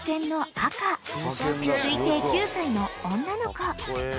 ［推定９歳の女の子］